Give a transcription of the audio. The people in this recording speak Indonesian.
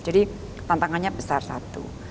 jadi tantangannya besar satu